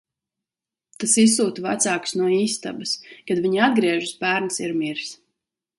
Tas izsūta vecākus no istabas. Kad viņi atgriežas, bērns ir miris.